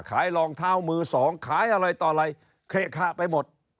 รองเท้ามือสองขายอะไรต่ออะไรเขยะะไปหมด